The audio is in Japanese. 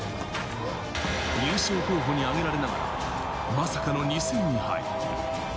優勝候補に挙げられながら、まさかの２戦２敗。